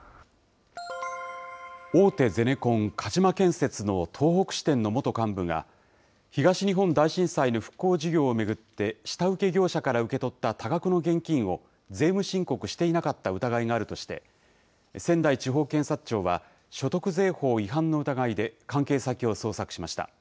大手ゼネコン、鹿島建設の東北支店の元幹部が、東日本大震災の復興事業を巡って、下請け業者から受け取った多額の現金を税務申告していなかった疑いがあるとして、仙台地方検察庁は、所得税法違反の疑いで関係先を捜索しました。